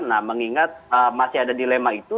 nah mengingat masih ada dilema itu